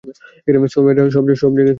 সোয়ার্মেরা সব জায়গায় কিলবিল করছে!